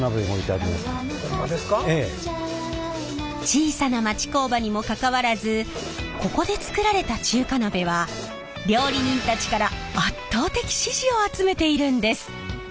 小さな町工場にもかかわらずここで作られた中華鍋は料理人たちから圧倒的支持を集めているんです。